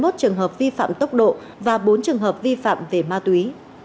hai mươi một trường hợp vi phạm tốc độ và bốn trường hợp vi phạm về ma túy